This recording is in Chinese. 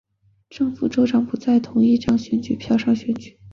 正副州长不在同一张选票上选举。